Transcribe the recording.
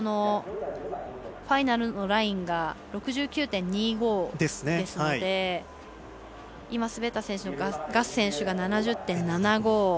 ファイナルのラインが６９．２５ですので今、滑った選手、ガス選手が７０．７５。